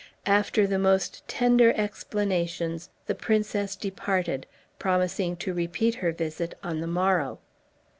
After the most tender explanations the princess departed, promising to repeat her visit on the morrow.